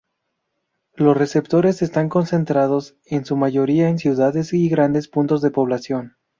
Los receptores están concentrados, en su mayoría, en ciudades y grandes puntos de población.